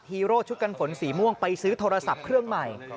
โร่ชุดกันฝนสีม่วงไปซื้อโทรศัพท์เครื่องใหม่